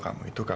gak itu ya